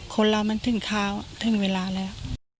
คนเรามันถึงคาวถึงเวลาแล้ว